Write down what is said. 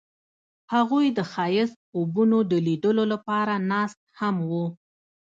هغوی د ښایسته خوبونو د لیدلو لپاره ناست هم وو.